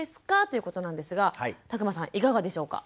ということなんですが詫間さんいかがでしょうか？